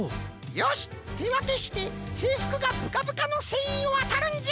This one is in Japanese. よしってわけしてせいふくがブカブカのせんいんをあたるんじゃ！